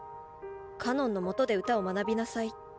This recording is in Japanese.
かのんのもとで歌を学びなさいと。